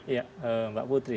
iya mbak putri